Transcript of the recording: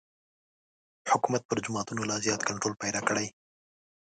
حکومت پر جوماتونو لا زیات کنټرول پیدا کړي.